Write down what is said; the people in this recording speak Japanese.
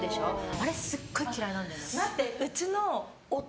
あれ、すっごい嫌いなんだよね。